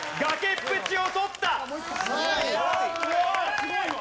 すごいわ。